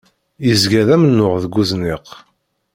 Yezga d amennuɣ deg uzniq.